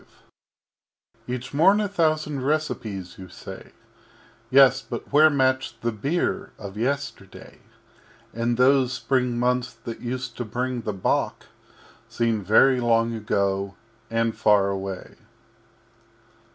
V Each morn a thousand Recipes, you say Yes, but where match the beer of Yesterday? And those Spring Months that used to bring the Bock Seem very long ago and far away.